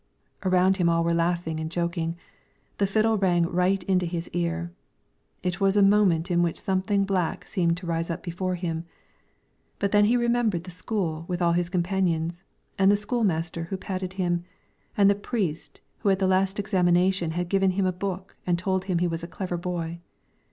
Around him all were laughing and joking, the fiddle rang right into his ear, it was a moment in which something black seemed to rise up before him, but then he remembered the school with all his companions, and the school master who patted him, and the priest who at the last examination had given him a book and told him he was a clever boy.